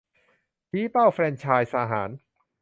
ชี้เป้าแฟรนไชส์อาหาร